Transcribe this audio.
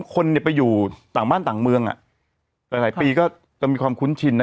คนเนี้ยไปอยู่ต่างบ้านต่างเมืองอ่ะหลายหลายปีก็จะมีความคุ้นชินน่ะ